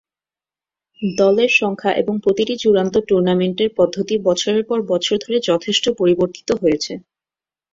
দলের সংখ্যা এবং প্রতিটি চূড়ান্ত টুর্নামেন্টের পদ্ধতি বছরের পর বছর ধরে যথেষ্ট পরিবর্তিত হয়েছে।